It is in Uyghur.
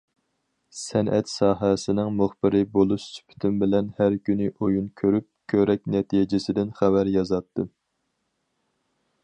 سەنئەت ساھەسىنىڭ مۇخبىرى بولۇش سۈپىتىم بىلەن ھەر كۈنى ئويۇن كۆرۈپ كۆرەك نەتىجىسىدىن خەۋەر يازاتتىم.